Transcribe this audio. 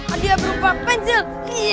adia berupa pensil